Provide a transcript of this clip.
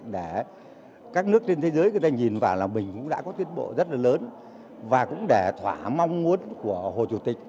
để các nước trên thế giới người ta nhìn vào là mình cũng đã có tiến bộ rất là lớn và cũng để thỏa mong muốn của hồ chủ tịch